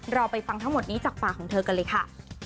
เราไปฟังทั้งหมดนี้จากปากของเธอกันเลยค่ะ